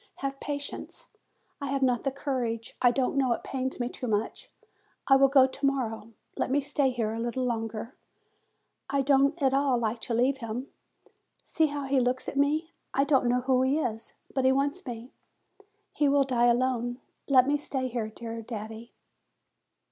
Have patience; I have not the courage I don't know it pains me too much ; I will go to morrow ; let me stay here a little longer ; I don't at all like to leave him. See how he looks at me ! I don't know who he is, but he wants me ; he will die alone : let me stay here, dear daddy